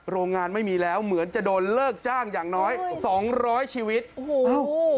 โรงงานไม่มีแล้วเหมือนจะโดนเลิกจ้างอย่างน้อยสองร้อยชีวิตโอ้โหเอ้า